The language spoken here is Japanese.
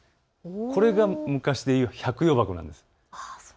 これが昔でいう百葉箱です。